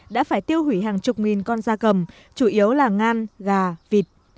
đã phải tiêu hủy hàng chục nghìn con da cầm chủ yếu là ngan gà vịt